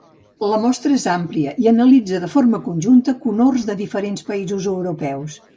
La mostra és àmplia i analitza de forma conjunta cohorts de diferents països europeus.